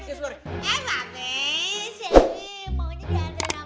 eh babe selby maunya diantar sama babe aja